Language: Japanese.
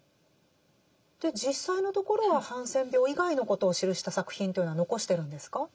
で実際のところはハンセン病以外のことを記した作品というのは残してるんですか？